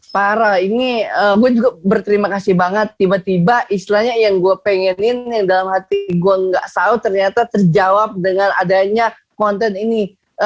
para ini gue juga berterima kasih banget tiba tiba istilahnya yang gue pengenin yang dalam hati gue gak tau ternyata terjawab dengan adanya konten ini